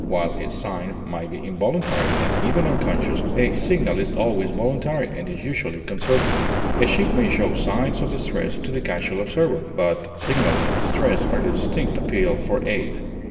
While a sign may be involuntary, and even unconscious, a signal is always voluntary, and is usually concerted; a ship may show signs of distress to the casual observer, but signals of distress are a distinct appeal for aid.